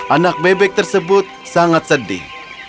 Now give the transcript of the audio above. anak bebek tersebut sangat sedih